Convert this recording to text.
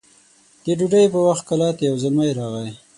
د ډوډۍ په وخت کلا ته يو زلمی راغی